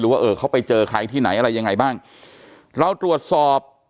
หรือว่าเพื่อนคนหัวไปเจอใครที่ไหนอะไรอย่างไรบ้างเราตรวจสอบ